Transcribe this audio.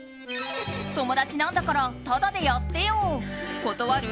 友達なんだからタダでやってよ断る？